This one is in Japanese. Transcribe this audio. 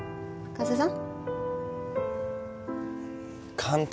加瀬さん